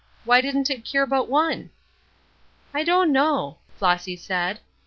"Why didn't it cure but one?" "I don't know," Flossy said.